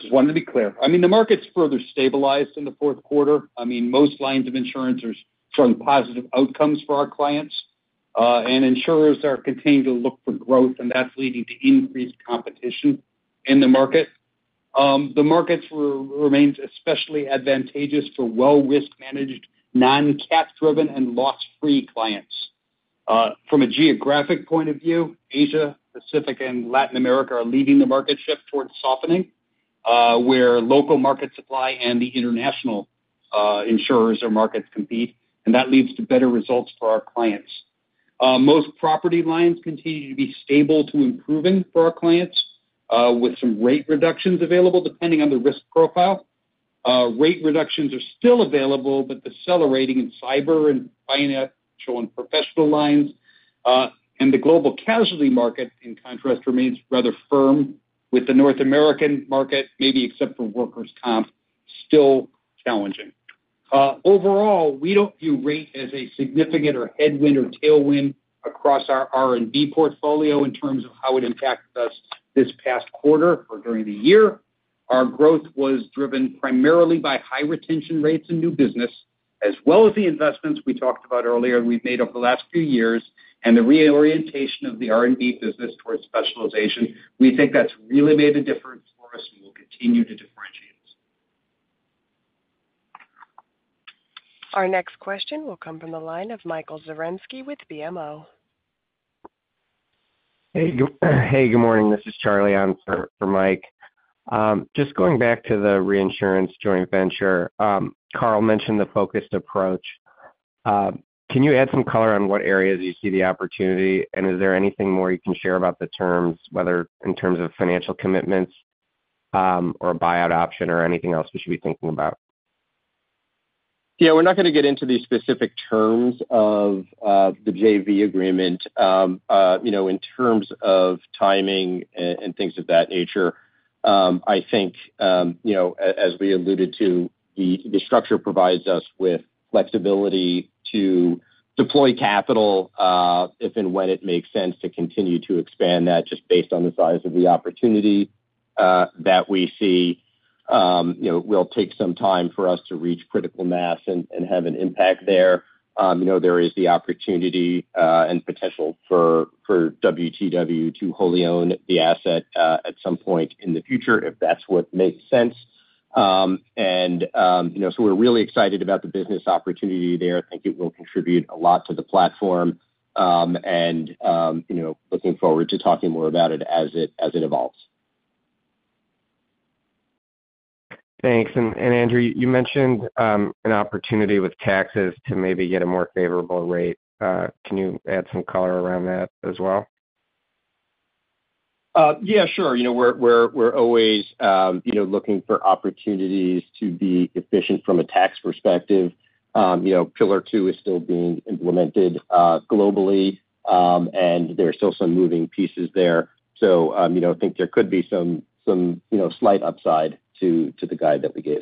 Just wanted to be clear. I mean, the market's further stabilized in the fourth quarter. I mean, most lines of insurance are showing positive outcomes for our clients. And insurers are continuing to look for growth, and that's leading to increased competition in the market. The market remains especially advantageous for well-risk-managed, non-cash-driven, and loss-free clients. From a geographic point of view, Asia Pacific and Latin America are leading the market shift towards softening, where local market supply and the international insurers or markets compete, and that leads to better results for our clients. Most property lines continue to be stable to improving for our clients, with some rate reductions available depending on the risk profile. Rate reductions are still available, but the seller rating in cyber and financial and professional lines and the global casualty market, in contrast, remains rather firm, with the North American market, maybe except for workers' comp, still challenging. Overall, we don't view rate as a significant or headwind or tailwind across our R&B portfolio in terms of how it impacted us this past quarter or during the year. Our growth was driven primarily by high retention rates and new business, as well as the investments we talked about earlier we've made over the last few years and the reorientation of the R&B business towards specialization. We think that's really made a difference for us, and we'll continue to differentiate us. Our next question will come from the line of Michael Zaremski with BMO. Hey, good morning. This is Charlie on for Mike. Just going back to the reinsurance joint venture, Carl mentioned the focused approach. Can you add some color on what areas you see the opportunity, and is there anything more you can share about the terms, whether in terms of financial commitments or a buyout option or anything else we should be thinking about? Yeah, we're not going to get into the specific terms of the JV agreement. You know, in terms of timing and things of that nature, I think, you know, as we alluded to, the structure provides us with flexibility to deploy capital if and when it makes sense to continue to expand that just based on the size of the opportunity that we see. You know, it will take some time for us to reach critical mass and have an impact there. You know, there is the opportunity and potential for WTW to wholly own the asset at some point in the future if that's what makes sense. And, you know, so we're really excited about the business opportunity there. I think it will contribute a lot to the platform and, you know, looking forward to talking more about it as it evolves. Thanks. And, Andrew, you mentioned an opportunity with taxes to maybe get a more favorable rate. Can you add some color around that as well? Yeah, sure. You know, we're always, you know, looking for opportunities to be efficient from a tax perspective. You know, Pillar Two is still being implemented globally, and there are still some moving pieces there. So, you know, I think there could be some, you know, slight upside to the guide that we gave.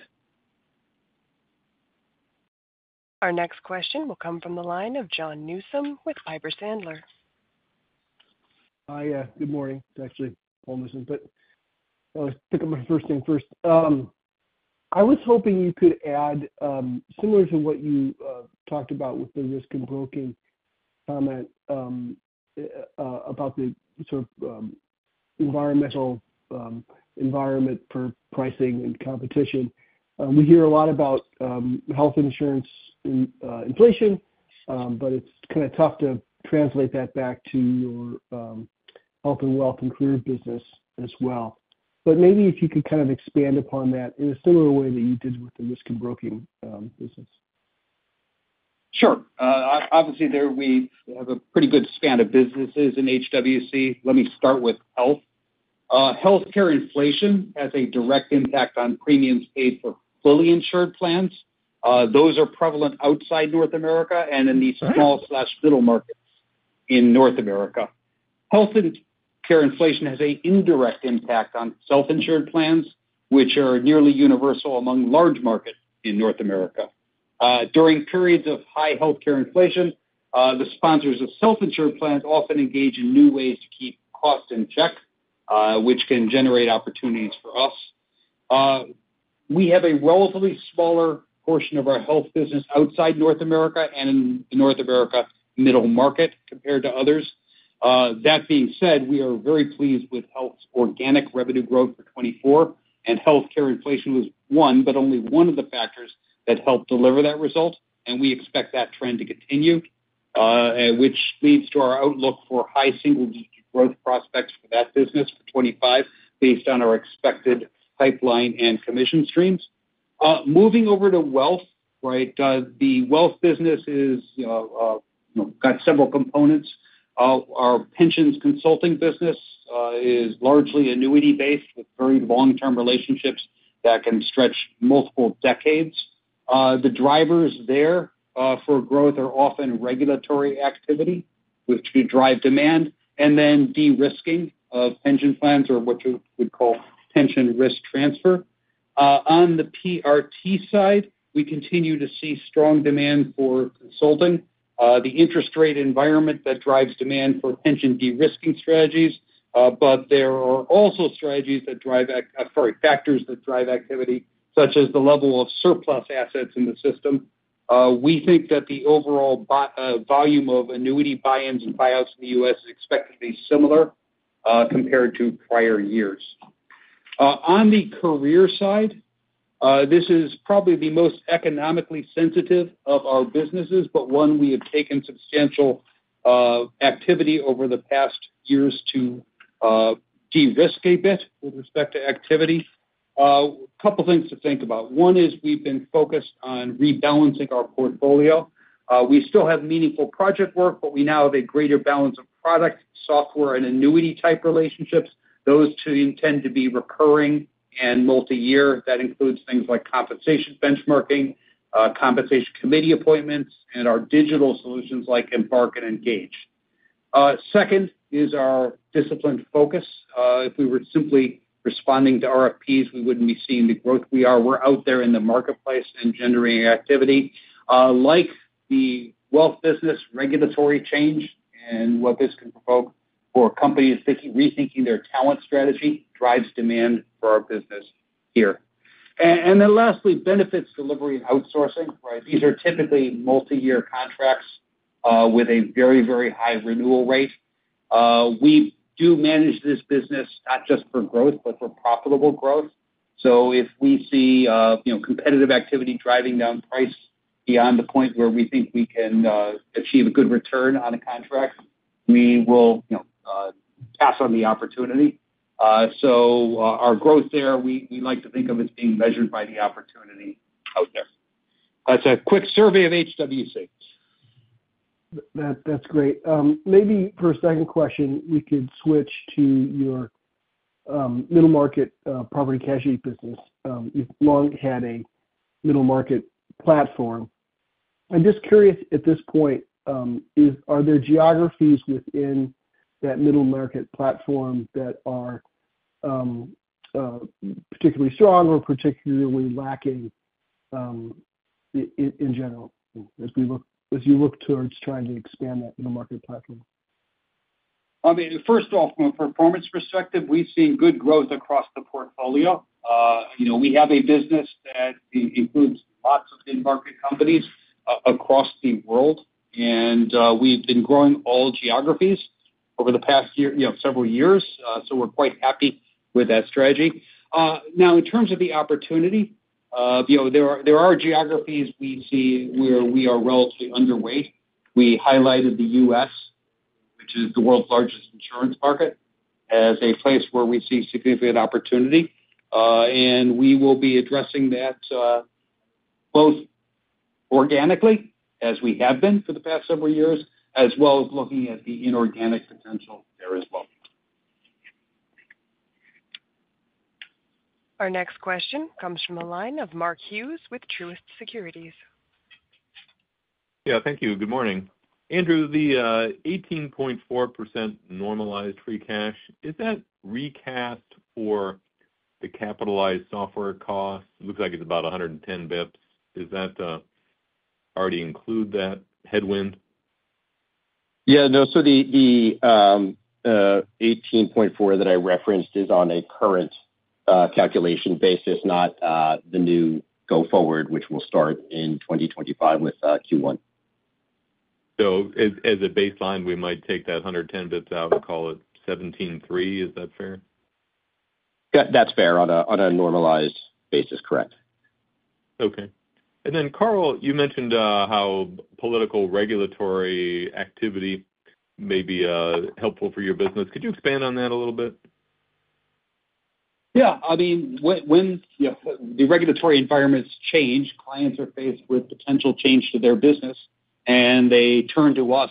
Our next question will come from the line of Paul Newsom with Piper Sandler. Hi, good morning. It's actually Paul Newsom, but I'll pick up my first thing first. I was hoping you could add similar to what you talked about with the Risk and Broking comment about the sort of environment for pricing and competition. We hear a lot about health insurance and inflation, but it's kind of tough to translate that back to your Health and Wealth and Career business as well. But maybe if you could kind of expand upon that in a similar way that you did with the Risk and Broking business. Sure. Obviously, there we have a pretty good span of businesses in HWC. Let me start with health. Healthcare inflation has a direct impact on premiums paid for fully insured plans. Those are prevalent outside North America and in the small/middle markets in North America. Healthcare inflation has an indirect impact on self-insured plans, which are nearly universal among large markets in North America. During periods of high healthcare inflation, the sponsors of self-insured plans often engage in new ways to keep costs in check, which can generate opportunities for us. We have a relatively smaller portion of our health business outside North America and in the North America middle market compared to others. That being said, we are very pleased with Health's organic revenue growth for 2024, and healthcare inflation was one, but only one of the factors that helped deliver that result, and we expect that trend to continue, which leads to our outlook for high single-digit growth prospects for that business for 2025 based on our expected pipeline and commission streams. Moving over to Wealth, right, the Wealth business has got several components. Our pensions consulting business is largely annuity-based with very long-term relationships that can stretch multiple decades. The drivers there for growth are often regulatory activity, which could drive demand, and then de-risking of pension plans or what you would call pension risk transfer. On the PRT side, we continue to see strong demand for consulting. The interest rate environment that drives demand for pension de-risking strategies, but there are also strategies that drive - sorry, factors that drive activity, such as the level of surplus assets in the system. We think that the overall volume of annuity buy-ins and buyouts in the U.S. is expected to be similar compared to prior years. On the career side, this is probably the most economically sensitive of our businesses, but one we have taken substantial activity over the past years to de-risk a bit with respect to activity. A couple of things to think about. One is we've been focused on rebalancing our portfolio. We still have meaningful project work, but we now have a greater balance of product, software, and annuity-type relationships. Those tend to be recurring and multi-year. That includes things like compensation benchmarking, compensation committee appointments, and our digital solutions like Embark and Engage. Second is our disciplined focus. If we were simply responding to RFPs, we wouldn't be seeing the growth we are. We're out there in the marketplace and generating activity. Like the wealth business, regulatory change and what this can provoke for companies rethinking their talent strategy drives demand for our business here. And then lastly, benefits delivery and outsourcing, right? These are typically multi-year contracts with a very, very high renewal rate. We do manage this business not just for growth, but for profitable growth. So if we see, you know, competitive activity driving down price beyond the point where we think we can achieve a good return on a contract, we will, you know, pass on the opportunity. So our growth there, we like to think of as being measured by the opportunity out there. That's a quick survey of HWC. That's great. Maybe for a second question, we could switch to your middle market property casualty business. You've long had a middle market platform. I'm just curious at this point, are there geographies within that middle market platform that are particularly strong or particularly lacking in general as you look towards trying to expand that middle market platform? I mean, first off, from a performance perspective, we've seen good growth across the portfolio. You know, we have a business that includes lots of mid-market companies across the world, and we've been growing all geographies over the past, you know, several years. So we're quite happy with that strategy. Now, in terms of the opportunity, you know, there are geographies we see where we are relatively underweight. We highlighted the U.S., which is the world's largest insurance market, as a place where we see significant opportunity. And we will be addressing that both organically, as we have been for the past several years, as well as looking at the inorganic potential there as well. Our next question comes from the line of Mark Hughes with Truist Securities. Yeah, thank you. Good morning. Andrew, the 18.4% normalized free cash, is that recast for the capitalized software cost? Looks like it's about 110 basis points. Does that already include that headwind? Yeah. No, so the 18.4 that I referenced is on a current calculation basis, not the new go forward, which will start in 2025 with Q1. So as a baseline, we might take that 110 basis points out and call it 17.3. Is that fair? That's fair on a normalized basis. Correct. Okay. And then, Carl, you mentioned how political regulatory activity may be helpful for your business. Could you expand on that a little bit? Yeah. I mean, when the regulatory environments change, clients are faced with potential change to their business, and they turn to us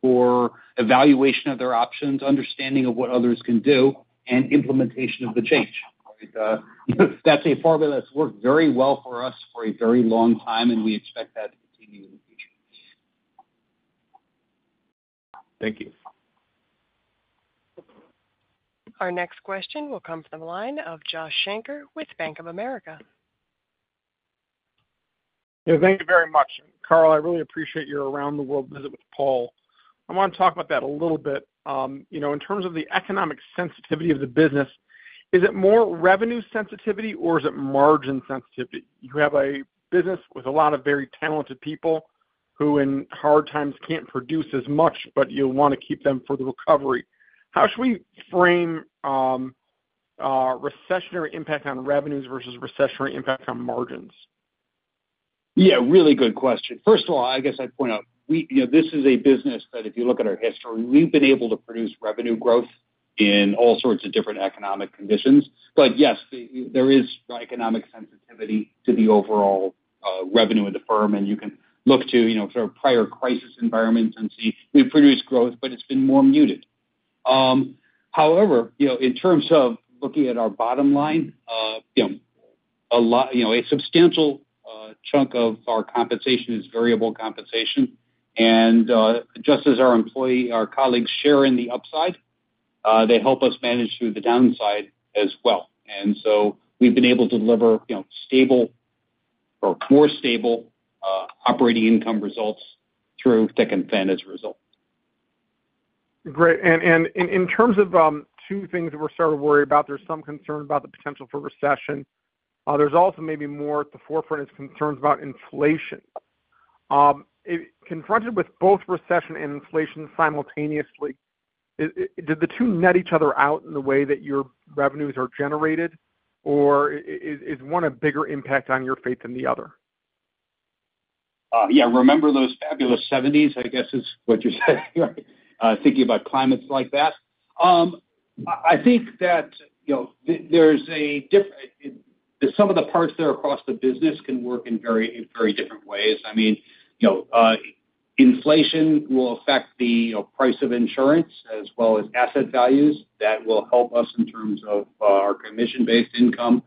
for evaluation of their options, understanding of what others can do, and implementation of the change, right? That's a formula that's worked very well for us for a very long time, and we expect that to continue in the future. Thank you. Our next question will come from the line of Joshua Shanker with Bank of America. Yeah, thank you very much. Carl, I really appreciate your around-the-world visit with Paul. I want to talk about that a little bit. You know, in terms of the economic sensitivity of the business, is it more revenue sensitivity, or is it margin sensitivity? You have a business with a lot of very talented people who in hard times can't produce as much, but you'll want to keep them for the recovery. How should we frame recessionary impact on revenues versus recessionary impact on margins? Yeah, really good question. First of all, I guess I'd point out, you know, this is a business that if you look at our history, we've been able to produce revenue growth in all sorts of different economic conditions. But yes, there is economic sensitivity to the overall revenue of the firm, and you can look to, you know, sort of prior crisis environments and see we've produced growth, but it's been more muted. However, you know, in terms of looking at our bottom line, you know, a substantial chunk of our compensation is variable compensation. And just as our employee, our colleagues share in the upside, they help us manage through the downside as well. So we've been able to deliver, you know, stable or more stable operating income results through thick and thin as a result. Great. In terms of two things that we're starting to worry about, there's some concern about the potential for recession. There's also maybe more at the forefront is concerns about inflation. Confronted with both recession and inflation simultaneously, do the two net each other out in the way that your revenues are generated, or is one a bigger impact on your fate than the other? Yeah. Remember those fabulous '70s, I guess is what you're saying, right? Thinking about climates like that. I think that, you know, there's a difference. Some of the parts that are across the business can work in very, very different ways. I mean, you know, inflation will affect the price of insurance as well as asset values. That will help us in terms of our commission-based income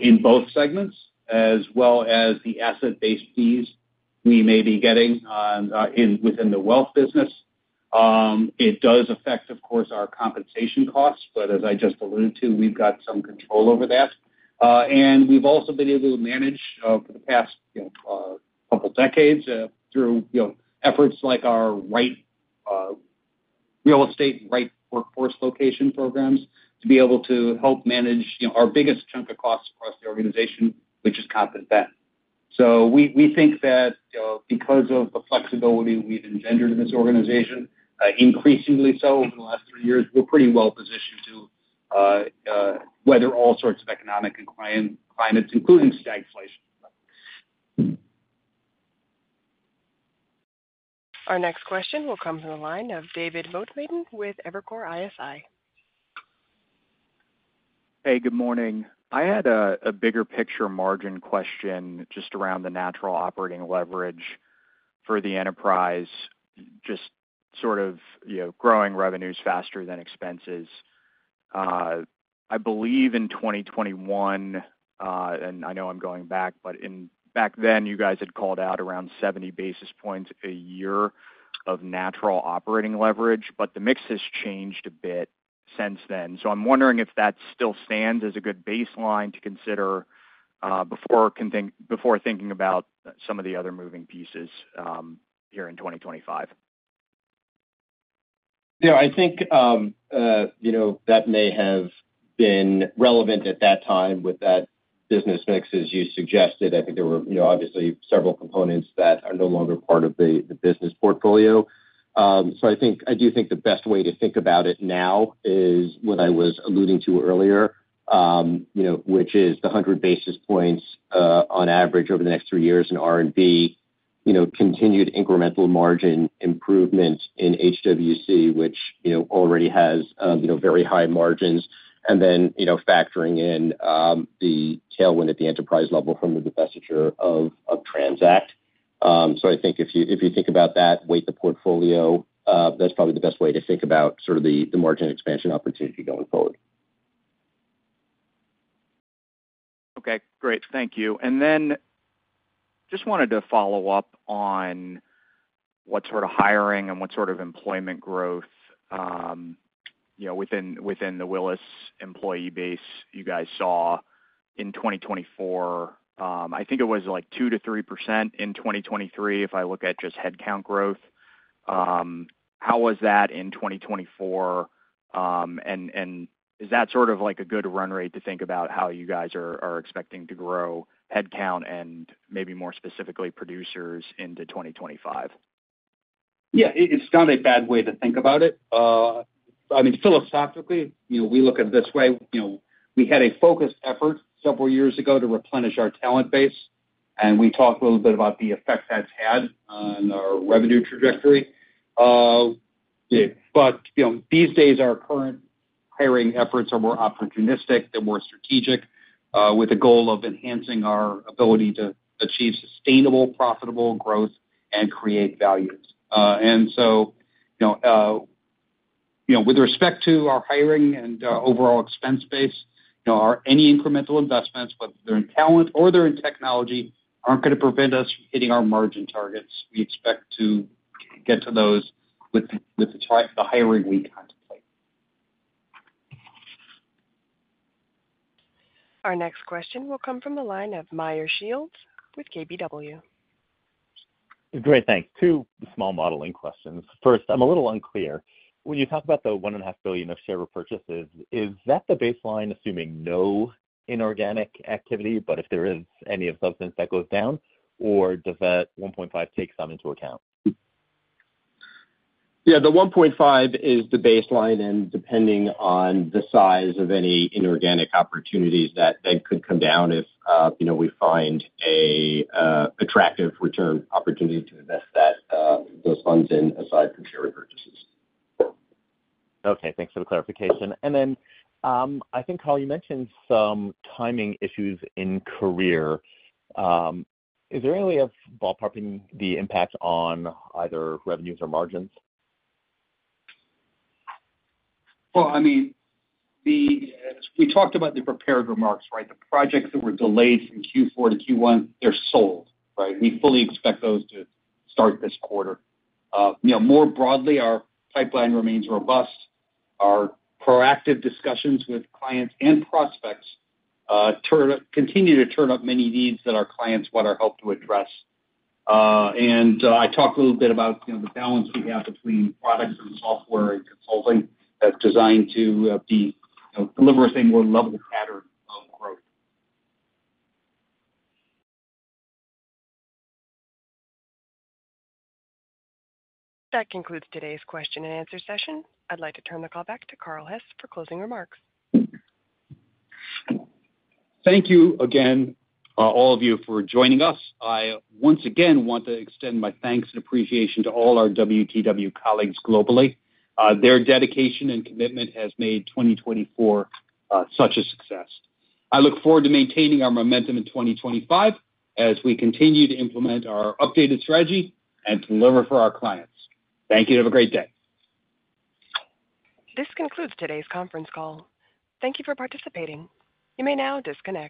in both segments, as well as the asset-based fees we may be getting within the wealth business. It does affect, of course, our compensation costs, but as I just alluded to, we've got some control over that. And we've also been able to manage for the past, you know, couple of decades through, you know, efforts like our right real estate, right workforce location programs to be able to help manage, you know, our biggest chunk of costs across the organization, which is comp and benefits. So we think that, you know, because of the flexibility we've engendered in this organization, increasingly so over the last three years, we're pretty well positioned to weather all sorts of economic and climate climates, including stagflation. Our next question will come from the line of David Motemaden with Evercore ISI. Hey, good morning. I had a bigger picture margin question just around the natural operating leverage for the enterprise, just sort of, you know, growing revenues faster than expenses. I believe in 2021, and I know I'm going back, but back then you guys had called out around 70 basis points a year of natural operating leverage, but the mix has changed a bit since then. So I'm wondering if that still stands as a good baseline to consider before thinking about some of the other moving pieces here in 2025. Yeah. I think, you know, that may have been relevant at that time with that business mix, as you suggested. I think there were, you know, obviously several components that are no longer part of the business portfolio. So I think I do think the best way to think about it now is what I was alluding to earlier, you know, which is the 100 basis points on average over the next three years in R&B, you know, continued incremental margin improvement in HWC, which, you know, already has, you know, very high margins. And then, you know, factoring in the tailwind at the enterprise level from the divestiture of Transact. So I think if you think about that, weigh the portfolio, that's probably the best way to think about sort of the margin expansion opportunity going forward. Okay. Great. Thank you. And then just wanted to follow up on what sort of hiring and what sort of employment growth, you know, within the Willis employee base you guys saw in 2024. I think it was like 2%-3% in 2023 if I look at just headcount growth. How was that in 2024? And is that sort of like a good run rate to think about how you guys are expecting to grow headcount and maybe more specifically producers into 2025? Yeah. It's not a bad way to think about it. I mean, philosophically, you know, we look at it this way. You know, we had a focused effort several years ago to replenish our talent base, and we talked a little bit about the effect that's had on our revenue trajectory. But, you know, these days our current hiring efforts are more opportunistic than more strategic with the goal of enhancing our ability to achieve sustainable, profitable growth and create value. And so, you know, with respect to our hiring and overall expense base, you know, any incremental investments, whether they're in talent or they're in technology, aren't going to prevent us from hitting our margin targets. We expect to get to those with the hiring we contemplate. Our next question will come from the line of Meyer Shields with KBW. Great. Thanks. Two small modeling questions. First, I'm a little unclear. When you talk about the $1.5 billion of share repurchases, is that the baseline assuming no inorganic activity, but if there is any of substance that goes down, or does that $1.5 billion take some into account? Yeah. The $1.5 billion is the baseline, and depending on the size of any inorganic opportunities that could come down if, you know, we find an attractive return opportunity to invest those funds in aside from share repurchases. Okay. Thanks for the clarification. And then I think, Carl, you mentioned some timing issues in career. Is there any way of ballparking the impact on either revenues or margins? Well, I mean, we talked about the prepared remarks, right? The projects that were delayed from Q4-Q1, they're sold, right? We fully expect those to start this quarter. You know, more broadly, our pipeline remains robust. Our proactive discussions with clients and prospects continue to turn up many needs that our clients want our help to address. And I talked a little bit about, you know, the balance we have between products and software and consulting that's designed to deliver a more level pattern of growth. That concludes today's question and answer session. I'd like to turn the call back to Carl Hess for closing remarks. Thank you again, all of you, for joining us. I once again want to extend my thanks and appreciation to all our WTW colleagues globally. Their dedication and commitment has made 2024 such a success. I look forward to maintaining our momentum in 2025 as we continue to implement our updated strategy and deliver for our clients. Thank you. Have a great day. This concludes today's conference call. Thank you for participating. You may now disconnect.